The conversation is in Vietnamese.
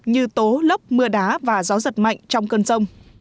như tố lốc mưa đá và gió giật mạnh trong cơn rông